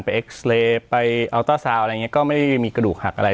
ไปเอ็กซ์เลไปอัลเตอร์ซาวอะไรอย่างเงี้ยก็ไม่มีกระดูกหักอะไร